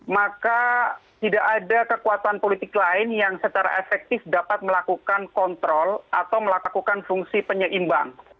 maka tidak ada kekuatan politik lain yang secara efektif dapat melakukan kontrol atau melakukan fungsi penyeimbang